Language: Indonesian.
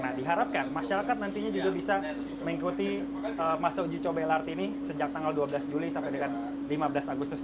nah diharapkan masyarakat nantinya juga bisa mengikuti masa uji coba lrt ini sejak tanggal dua belas juli sampai dengan lima belas agustus